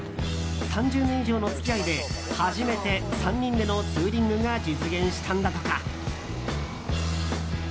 ３０年以上の付き合いで初めて３人でのツーリングが実現したんだとか。